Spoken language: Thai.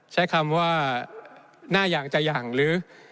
ใช่คำว่าหน้าอย่างจะหยั่งหรือ